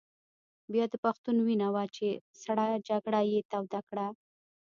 بیا د پښتون وینه وه چې سړه جګړه یې توده کړه.